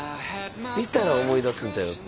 見たら思い出すんちゃいます？